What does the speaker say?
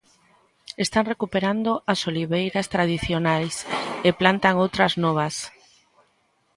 Están recuperando as oliveiras tradicionais, e plantan outras novas.